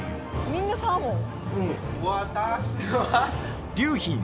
みんなサーモン？